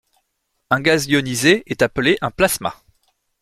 Un gaz ionisé est appelé un plasma.